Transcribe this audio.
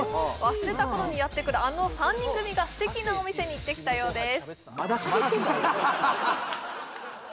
忘れたころにやってくるあの３人組が素敵なお店に行ってきたようです